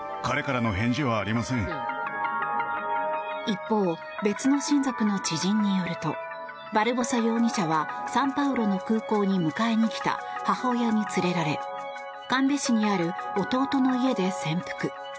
一方、別の親族の知人によるとバルボサ容疑者はサンパウロの空港に迎えにきた母親に連れられカンベ市にある弟の家で潜伏。